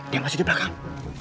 dia masih di belakang